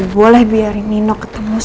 gue gak boleh biarin nino ketemu sama anak itu